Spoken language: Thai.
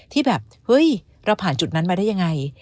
ที่แบบเฮ้ยเราผ่านจุดนั้นมาได้ยังไง